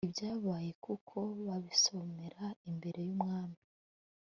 ibyabaye nuko babisomera imbere y umwami